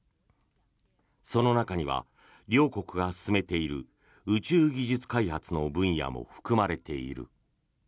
その中には両国が進めている宇宙技術開発の分野も含まれている。